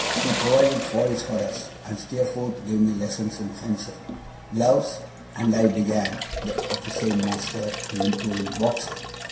He provided foils for us, and Steerforth gave me lessons in fencing gloves, and I began, of the same master, to improve in boxing.